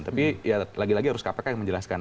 tapi ya lagi lagi harus kpk yang menjelaskan